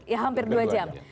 ya hampir dua jam